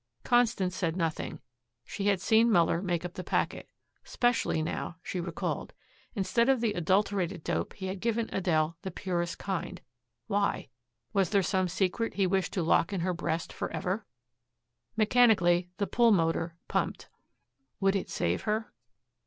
Constance said nothing. She had seen Muller make up the packet specially now, she recalled. Instead of the adulterated dope he had given Adele the purest kind. Why? Was there some secret he wished to lock in her breast forever? Mechanically the pulmotor pumped. Would it save her?